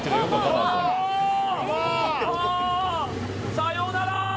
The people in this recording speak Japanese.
さようなら！